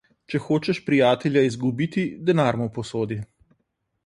Če hočeš prijatelja izgubiti, denar mu posodi.